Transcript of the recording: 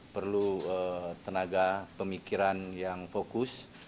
perlu tenaga pemikiran yang fokus